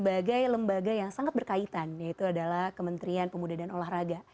sebagai lembaga yang sangat berkaitan yaitu adalah kementerian pemuda dan olahraga